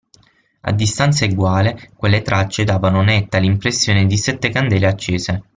A distanza eguale, quelle tracce davano netta l'impressione di sette candele accese.